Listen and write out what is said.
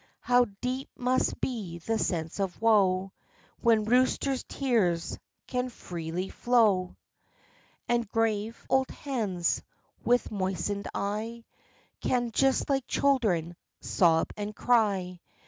How deep must be that sense of woe, When roosters' tears can freely flow, 94 the life and adventures And grave old hens, with moistened eye, Can, just like children, sob and cry!